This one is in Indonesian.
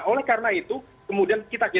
nah oleh karena itu kemudian kita geser